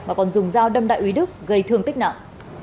mà còn dùng dao đâm đại úy đức gây thương tích nặng